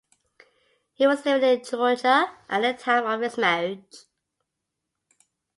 He was living in Georgia at the time of his marriage.